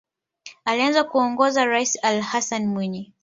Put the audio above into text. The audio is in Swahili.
Alianza kuongoza raisi Ali Hassan Mwinyi